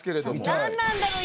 何なんだろう